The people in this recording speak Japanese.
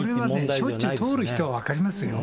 これはね、しょっちゅう通る人は分かりますよ。